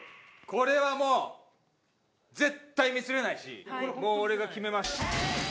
これはもう絶対ミスれないしもう俺が決めます。